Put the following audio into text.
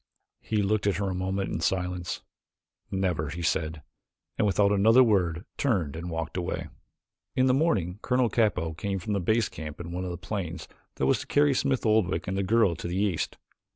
He looked at her a moment in silence. "Never," he said, and without another word turned and walked away. In the morning Colonel Capell came from the base camp in one of the planes that was to carry Smith Oldwick and the girl to the east.